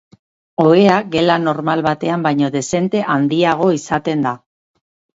Ohea gela normal batean baino dezente handiago izaten da.